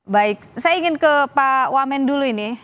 baik saya ingin ke pak wamen dulu ini